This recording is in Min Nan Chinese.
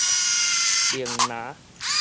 龍巖